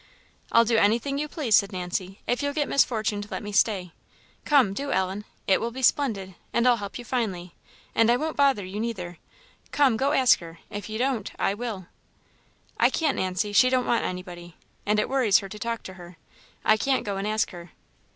"I'll do anything you please," said Nancy, "if you'll get Miss Fortune to let me stay. Come do, Ellen! It will be splendid! and I'll help you finely, and I won't bother you neither. Come, go ask her; if you don't, I will." "I can't, Nancy; she don't want anybody; and it worries her to talk to her. I can't go and ask her."